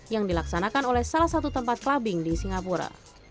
yang dilaksanakan oleh salah satu tempat clubbing di singapura